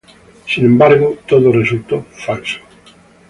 Sin embargo, todo resultó falso.